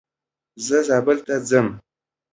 زه زابل ولايت ته ځم.